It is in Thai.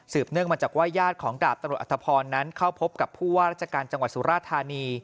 สืบเนื่องมาจากว่าญาติของดาบตำรวจอธพรนั้น